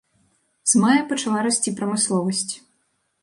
З мая пачала расці прамысловасць.